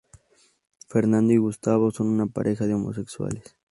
Fernando y Gustavo son una pareja de homosexuales.